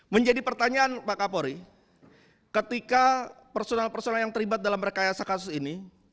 menjadi pertanyaan pak kapolri ketika personal personal yang terlibat dalam rekayasa kasus ini